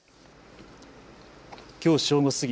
きょう正午過ぎ